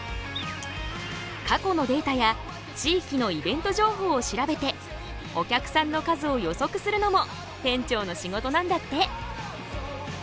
過去のデータや地域のイベント情報を調べてお客さんの数を予測するのも店長の仕事なんだって！